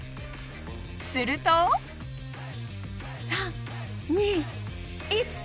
すると３・２・１。